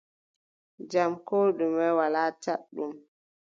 Jam koo ɗume, walaa caɗɗum.